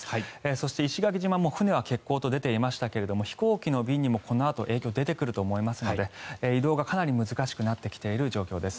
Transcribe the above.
そして石垣島も船は欠航と出ていましたが飛行機の便にも、このあと影響が出てくると思いますので移動がかなり難しくなっている状況です。